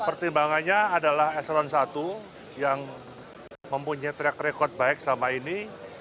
pertimbangannya adalah eselon i yang mempunyai track record baik selama ini